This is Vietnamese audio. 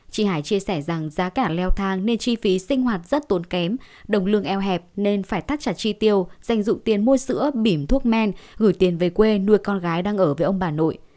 chị hải chia sẻ rằng giá cả leo thang nên chi phí sinh hoạt rất tốn kém đồng lương eo hẹp nên phải thắt chặt chi tiêu dành dụng tiền mua sữa bìm thuốc men gửi tiền về quê nuôi con gái đang ở với ông bà nội